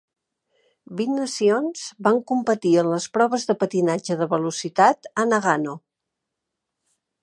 Vint nacions van competir en les proves de patinatge de velocitat a Nagano.